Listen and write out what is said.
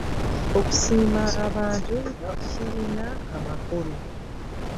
Okusiima abantu kirina amakulu